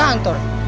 tadi dia nelfon saya